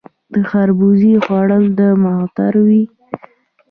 خربوزه خوږه او معطره وي